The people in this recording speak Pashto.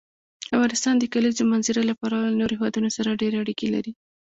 افغانستان د کلیزو منظره له پلوه له نورو هېوادونو سره ډېرې اړیکې لري.